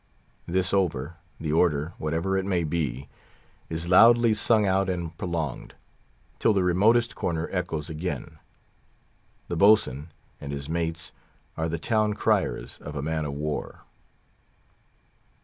This over, the order, whatever it may be, is loudly sung out and prolonged, till the remotest corner echoes again. The Boatswain and his mates are the town criers of a man of war.